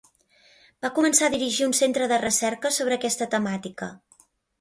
Va començar a dirigir un centre de recerca sobre aquesta temàtica.